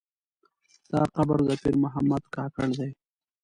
دا قبر د پیر محمد کاکړ دی.